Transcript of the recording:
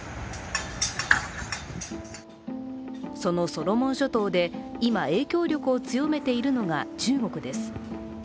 そのソロモン諸島で今、影響力を強めているのが中国です。